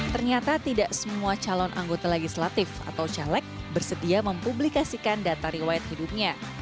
ternyata tidak semua calon anggota legislatif atau caleg bersedia mempublikasikan data riwayat hidupnya